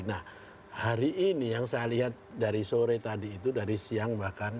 nah hari ini yang saya lihat dari sore tadi itu dari siang bahkan